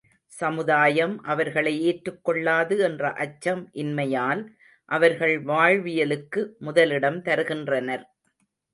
சமுதாயம் அவர்களை ஏற்றுக் கொள்ளாது என்ற அச்சம் இன்மையால் அவர்கள் வாழ்விய லுக்கு முதலிடம் தருகின்றனர்.